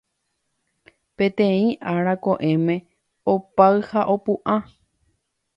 Peteĩ ára ko'ẽme opáy ha opu'ã.